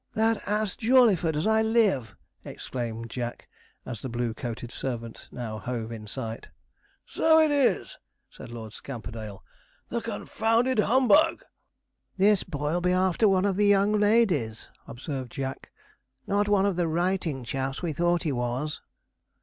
'That ass Jawleyford, as I live!' exclaimed Jack, as the blue coated servant now hove in sight. 'So it is!' said Lord Scamperdale; 'the confounded humbug!' 'This boy'll be after one of the young ladies,' observed Jack; 'not one of the writing chaps we thought he was.'